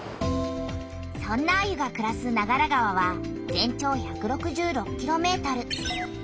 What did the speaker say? そんなアユがくらす長良川は全長１６６ｋｍ。